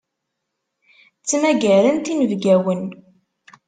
Ttmagarent inebgawen.